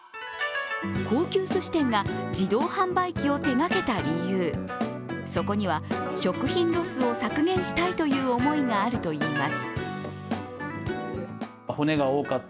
高級すし店が自動販売機を手がけた理由、そこには、食品ロスを削減したいという思いがあるといいます。